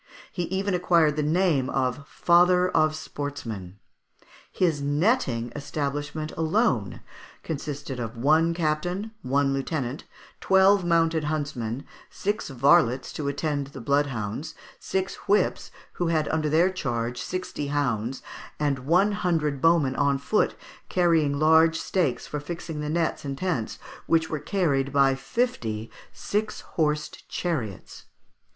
He even acquired the name of the Father of Sportsmen. His netting establishment alone, consisted of one captain, one lieutenant, twelve mounted huntsmen, six varlets to attend the bloodhounds; six whips, who had under their charge sixty hounds; and one hundred bowmen on foot, carrying large stakes for fixing the nets and tents, which were carried by fifty six horsed chariots.